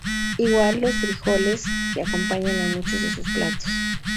Igual los frijoles, que acompañan a muchos de sus platos.